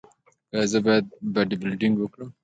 ایا زه باید باډي بلډینګ وکړم؟